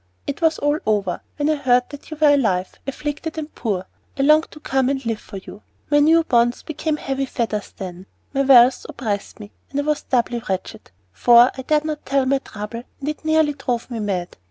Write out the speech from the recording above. It was all over, when I heard that you were alive, afflicted, and poor. I longed to come and live for you. My new bonds became heavy fetters then, my wealth oppressed me, and I was doubly wretched for I dared not tell my trouble, and it nearly drove me mad.